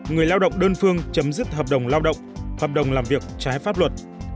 người lao động đơn phương chấm dứt hợp đồng lao động hợp đồng làm việc trái pháp luật